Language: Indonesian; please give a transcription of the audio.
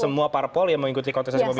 semua parpol yang mengikuti kontestasi pemilu